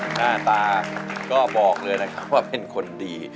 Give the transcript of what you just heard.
หน้าตาก็บอกเลยนะครับว่าเป็นคนดี